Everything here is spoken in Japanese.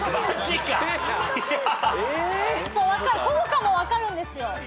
効果も分かるんですよ。